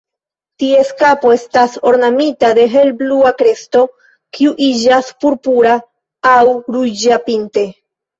Ties kapo estas ornamita de helblua kresto, kiu iĝas purpura aŭ ruĝa pinte.